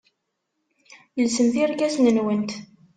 Lsemt irkasen-nwent.